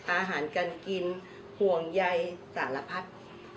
อาหารการกินห่วงใยสารพัด